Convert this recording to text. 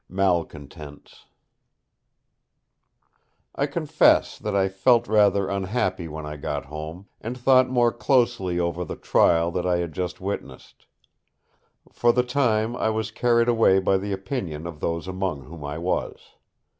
MALCONTENTS I confess that I felt rather unhappy when I got home, and thought more closely over the trial that I had just witnessed. For the time I was carried away by the opinion of those among whom I was.